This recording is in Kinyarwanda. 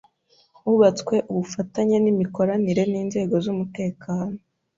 Hubatswe ubufatanye n’imikoranire n’inzego z’umutekano